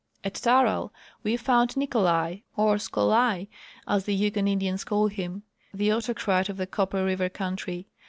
At Taral we found Nicolai, or " Scolai," as the Yukon Indians call him, the autocrat of the Copper river country.